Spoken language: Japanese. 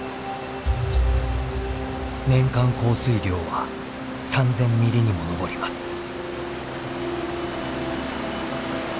年間降水量は３，０００ミリにも上ります。